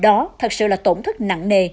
đó thật sự là tổn thất nặng nề